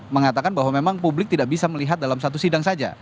mengatakan bahwa memang publik tidak bisa melihat dalam satu sidang saja